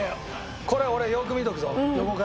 これは俺よく見とくぞ横から。